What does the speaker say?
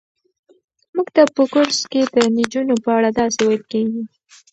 موږ ته په کورس کې د نجونو په اړه داسې ویل کېږي.